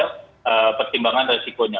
untuk pertimbangan resikonya